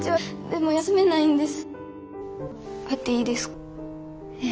でも休めないんです。